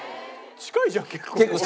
近いじゃん結構。